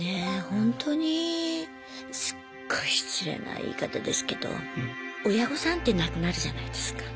ほんとにすっごい失礼な言い方ですけど親御さんって亡くなるじゃないですか。